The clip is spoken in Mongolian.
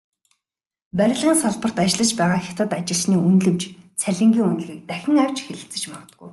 Барилгын салбарт ажиллаж байгаа хятад ажилчны үнэлэмж, цалингийн үнэлгээг дахин авч хэлэлцэж магадгүй.